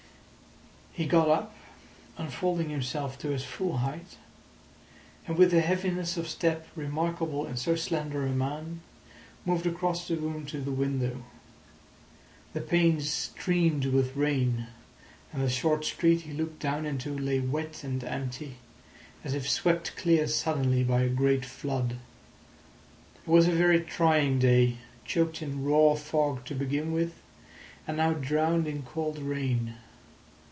He got up, unfolding himself to his full height, and with a heaviness of step remarkable in so slender a man, moved across the room to the window. The panes streamed with rain, and the short street he looked down into lay wet and empty, as if swept clear suddenly by a great flood. It was a very trying day, choked in raw fog to begin with, and now drowned in cold rain.